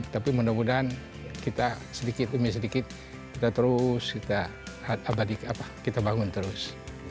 tapi mudah mudahan kita sedikit demi sedikit kita terus kita bangun terus